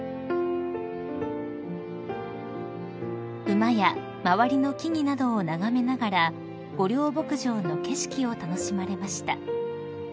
［馬や周りの木々などを眺めながら御料牧場の景色を楽しまれました］